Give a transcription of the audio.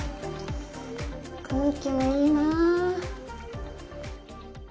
空気もいいなあ。